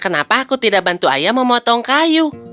kenapa aku tidak bantu ayah memotong kayu